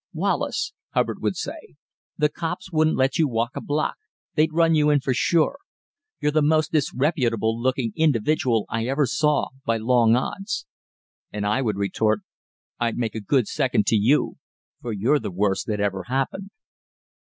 "Wallace," Hubbard would say, "the cops wouldn't let you walk a block; they'd run you in sure. You're the most disreputable looking individual I ever saw, by long odds." And I would retort: "I'd make a good second to you; for you're the worst that ever happened."